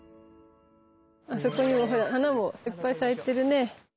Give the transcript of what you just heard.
そこにもほら花もいっぱい咲いてるね。